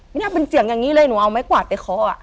ไม่น่าเป็นเจียงอย่างนี้เลยหนูเอาไหมกว่าเตะเคาะ